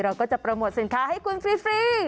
เราก็จะโปรโมทสินค้าให้คุณฟรี